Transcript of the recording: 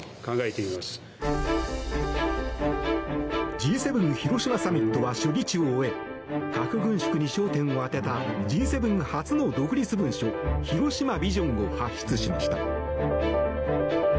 Ｇ７広島サミットは初日を終え核軍縮に焦点を当てたＧ７初の独立文書広島ビジョンを発出しました。